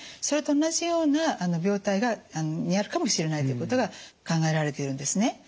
それと同じような病態にあるかもしれないということが考えられているんですね。